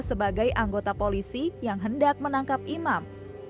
sebagai anggota polisi yang hendak menangkap imam